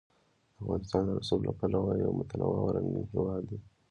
افغانستان د رسوب له پلوه یو متنوع او رنګین هېواد دی.